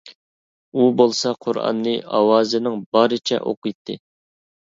ئۇ بولسا، قۇرئاننى ئاۋازىنىڭ بارىچە ئوقۇيتتى.